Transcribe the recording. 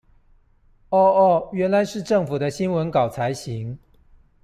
喔喔原來是政府的新聞稿才行